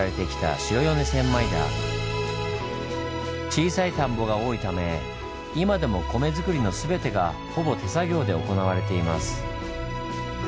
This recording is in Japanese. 小さい田んぼが多いため今でも米作りの全てがほぼ手作業で行われています。